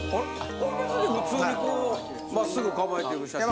これ別に普通にこう真っすぐ構えてる写真。